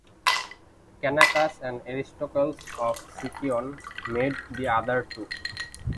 Canachus and Aristocles of Sicyon made the other two.